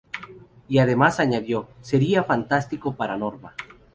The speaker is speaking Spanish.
Y, además, añadió: ""Sería fantástico para norma.